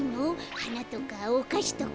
はなとかおかしとか。